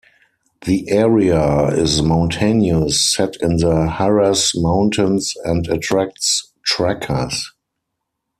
The area is mountainous, set in the Haraz Mountains and attracts trekkers.